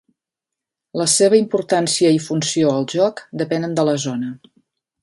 La seva importància i funció al joc depenen de la zona.